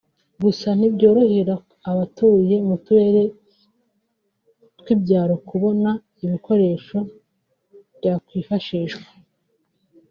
Gusa ntibyorohera abatuye mu turere tw’ibyaro kubona ibikoresho byakwifashishwa